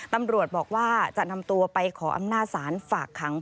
ตำรวจบอกว่าจะนำตัวไปขออำนาจศาลฝากขัง